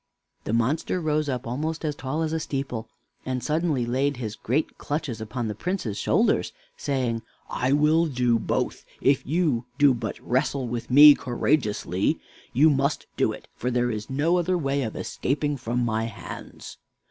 The monster rose up almost as tall as a steeple and suddenly laid his great clutches upon the Prince's shoulders, saying: "I will do both, if you do but wrestle with me courageously. You must do it, for there is no other way of escaping from my hands."